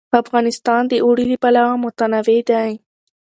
افغانستان د اوړي له پلوه متنوع دی.